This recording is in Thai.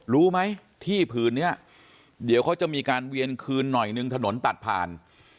รู้ไหมที่ผืนนี้เดี๋ยวเขาจะมีการเวียนคืนหน่อยนึงถนนตัดผ่าน